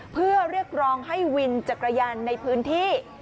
เพื่อเรียกร้องให้วินจักรยานในพื้นที่